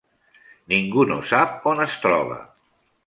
Ningú no sap on es troba.